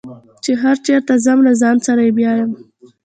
چې هر چېرته ځم له ځان سره یې بیایم.